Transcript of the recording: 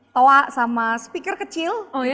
tawa sama speaker kecil gitu ya